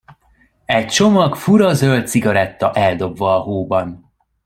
Egy csomag fura zöld cigaretta eldobva a hóban.